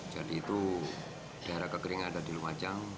jadi itu daerah kekeringan ada di lumajang